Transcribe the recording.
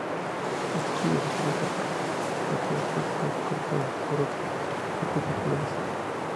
Este estilo se caracteriza por calles rectas cortadas por otras perpendiculares.